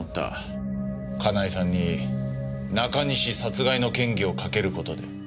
香奈恵さんに中西殺害の嫌疑をかける事で。